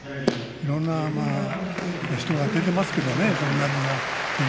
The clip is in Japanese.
いろんな人が出ていますけどね。